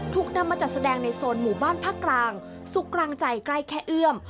ถูกนำมาจัดแสดงในโซนหมู่บ้านภาคกลางสุขกลางใจใกล้แค่เอื้อม